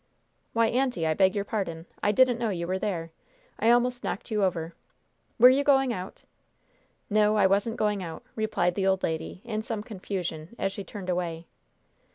"Why, aunty, I beg your pardon. I didn't know you were there. I almost knocked you over. Were you going out?" "No, I wasn't going out," replied the old lady, in some confusion, as she turned away.